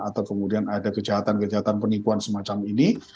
atau kemudian ada kejahatan kejahatan penipuan semacam ini